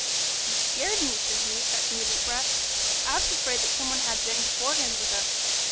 "You scared me!" said he, fetching a deep breath. "I was afraid that some one had been beforehand with us.